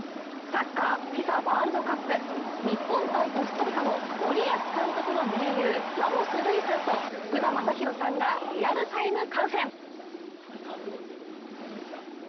サッカーＦＩＦＡワールドカップ、日本×コスタリカを森保監督の盟友、ラモス瑠偉さんと福田正博さんがリアルタイム観戦。